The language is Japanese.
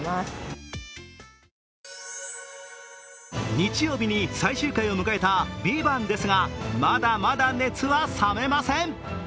日曜日に最終回を迎えた「ＶＩＶＡＮＴ」ですがまだまだ熱は冷めません。